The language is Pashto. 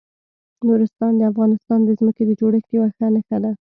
نورستان د افغانستان د ځمکې د جوړښت یوه ښه نښه ده.